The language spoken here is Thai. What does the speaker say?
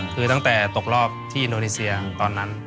คือตั้งแต่ตกรอบที่อินโดนีเซียตอนนั้น